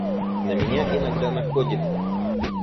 На меня иногда находит.